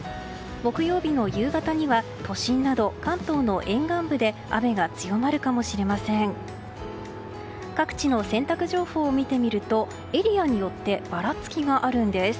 木曜日の夕方には都心など関東の沿岸部で雨が強まるかもしれません各地の洗濯情報を見てみるとエリアによってばらつきがあるんです。